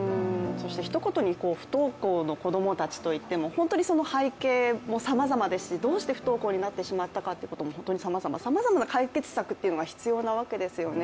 ひと言に不登校の子供たちといっても、本当にその背景もさまざまですし、どうして不登校になってしまったかというのも本当にさまざま、さまざまな解決策が必要なわけですよね。